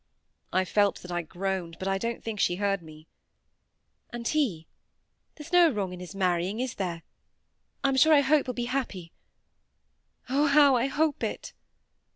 I felt that I groaned, but I don't think she heard me. "And he,—there's no wrong in his marrying, is there? I'm sure I hope he'll be happy. Oh! how I hope it!"